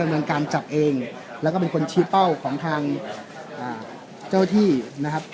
เมืองการจับเองแล้วก็เป็นคนชี้เป้าของทางเจ้าที่นะครับ